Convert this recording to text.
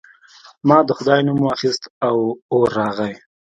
ما د خدای نوم واخیست او اور راغی.